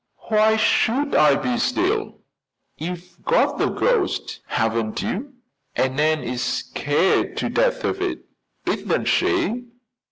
"Why should I be still? You've got the ghost, haven't you? And Nan is scared to death of it, isn't she?"